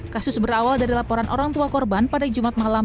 kasus berawal dari laporan orang tua korban pada jumat malam